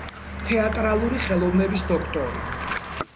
თეატრალური ხელოვნების დოქტორი.